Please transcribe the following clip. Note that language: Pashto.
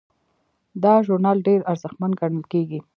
دا ژورنال ډیر ارزښتمن ګڼل کیږي.